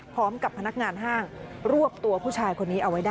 พร้อมกับพนักงานห้างรวบตัวผู้ชายคนนี้เอาไว้ได้